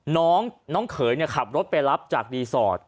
น้องเขยขับรถไปรับจากรีสอร์ท